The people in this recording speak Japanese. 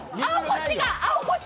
青こっち。